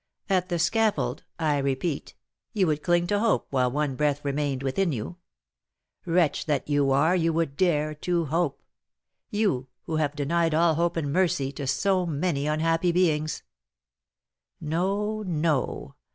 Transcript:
At the scaffold, I repeat, you would cling to hope while one breath remained within you; wretch that you are, you would dare to hope! you, who have denied all hope and mercy to so many unhappy beings! No, no!